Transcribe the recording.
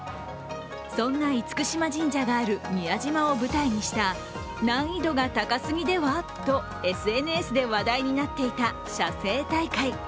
そんな厳島神社がある宮島を舞台にした難易度が高すぎでは？とＳＮＳで話題になっていた写生大会。